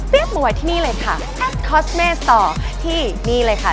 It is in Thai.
แต๊บมาไว้ที่นี่เลยค่ะแอะต์คอสเมสตอร์ที่นี่เลยค่ะ